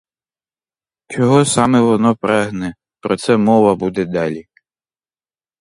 Чого саме воно прагне, про це мова буде далі.